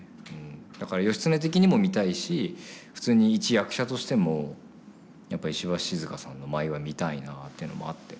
だから義経的にも見たいし普通に一役者としてもやっぱ石橋静河さんの舞は見たいなっていうのもあって。